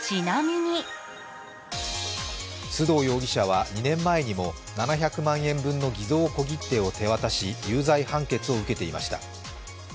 須藤容疑者は２年前にも７００万円分の偽造小切手を手渡し有罪判決を受けていました。